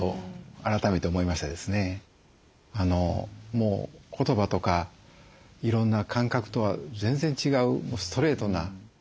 もう言葉とかいろんな感覚とは全然違うストレートなおいしさなんでしょうね